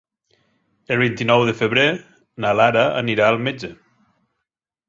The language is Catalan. El vint-i-nou de febrer na Lara anirà al metge.